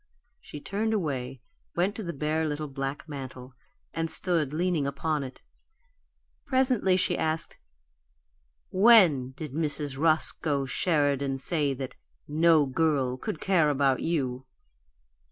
She turned away, went to the bare little black mantel, and stood leaning upon it. Presently she asked: "WHEN did Mrs. Roscoe Sheridan say that 'no girl' could care about you?"